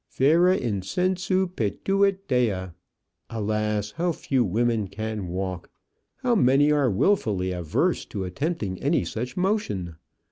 "Vera incessu patuit Dea." Alas! how few women can walk! how many are wilfully averse to attempting any such motion!